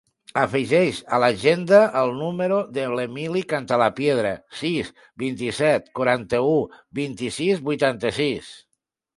Afegeix a l'agenda el número de l'Emily Cantalapiedra: sis, vint-i-set, quaranta-u, vint-i-sis, vuitanta-sis.